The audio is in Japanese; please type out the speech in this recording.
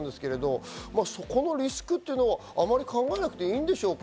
そこのリスクというのはあまり考えなくていいんでしょうか？